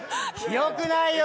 よくないよ